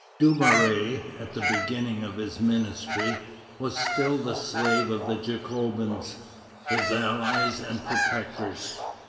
Dumouriez, at the beginning of his ministry, was still the slave of the Jacobins, his allies and protectors.